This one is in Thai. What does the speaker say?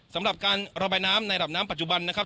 สำหรับการระบายน้ำในระดับน้ำปัจจุบันนะครับ